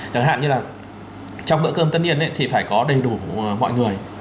chẳng hạn như là trong bữa cơm tất niên thì phải có đầy đủ mọi người